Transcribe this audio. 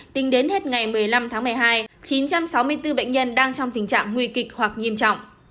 tính đến hết ngày một mươi năm tháng một mươi hai chín trăm sáu mươi bốn bệnh nhân đang trong tình trạng nguy kịch hoặc nghiêm trọng